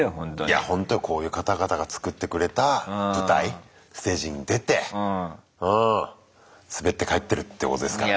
いやほんとこういう方々が作ってくれた舞台ステージに出てうんスベって帰ってるってことですからね。